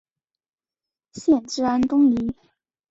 县治安东尼。